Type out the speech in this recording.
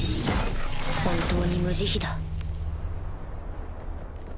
本当に無慈悲だ。